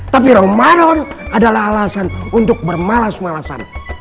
tapi ramadan adalah alasan untuk bermalas malasan